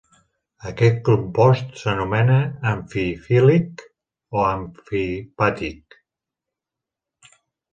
Aquest compost s'anomena "amfifílic" o "amfipàtic".